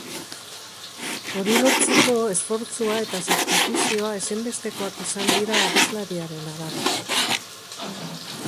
Hori lortzeko, esfortzua eta sakrifizioa ezinbestekoak izan dira, abeslariaren arabera.